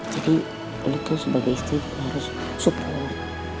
jadi lo tuh sebagai istri harus support